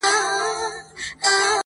وایې به سندري سپوږمۍ ستوري به نڅا کوي,